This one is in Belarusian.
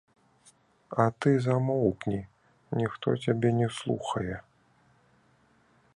А ты замоўкні, ніхто цябе не слухае.